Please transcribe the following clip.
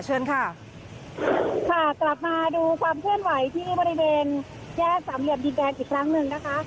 เชิญค่ะค่ะกลับมาดูความเคลื่อนไหวที่บริเวณแยกสามเหลี่ยมดินแดงอีกครั้งหนึ่งนะคะ